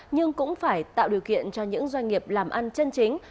nhưng cũng phải tạo điều kiện cho những doanh nghiệp làm ăn chân chính